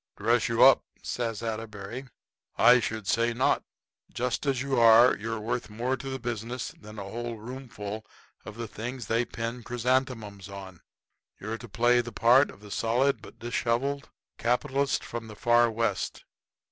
"Dress you up?" says Atterbury; "I should say not! Just as you are you're worth more to the business than a whole roomful of the things they pin chrysanthemums on. You're to play the part of the solid but disheveled capitalist from the Far West.